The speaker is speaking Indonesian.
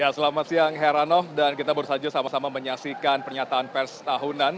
selamat siang herano dan kita bersaju sama sama menyaksikan pernyataan pers tahunan